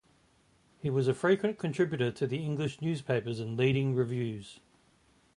He was a frequent contributor to the English newspapers and leading reviews.